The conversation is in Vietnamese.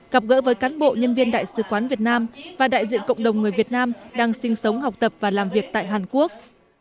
gặp gỡ với cán bộ nhân viên đại sứ quán việt nam và đại diện cộng đồng người việt nam đang sinh sống học tập và làm việc tại hàn quốc